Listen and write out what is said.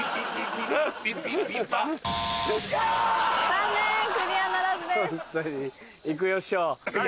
残念クリアならずです。